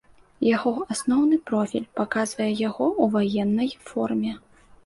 Яго асноўны профіль паказвае яго ў ваеннай форме.